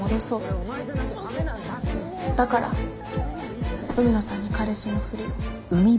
だから海野さんに彼氏のふりを。